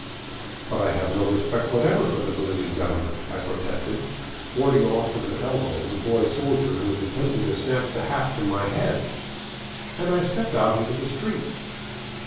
" But I have no respect whatever for the Bolivian government," I protested, warding off with an elbow the boy soldier who was at tempting to snatch the hat from my head; and I stepped out into the street.